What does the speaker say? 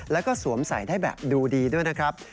แล้วก็สวมใส่ได้แบบดูดีด้วยนะครับ